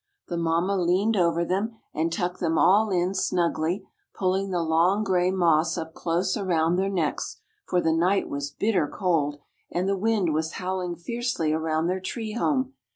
The mamma leaned over them, and tucked them all in snugly, pulling the long gray moss up close around their necks, for the night was bitter cold, and the wind was howling fiercely around their tree home.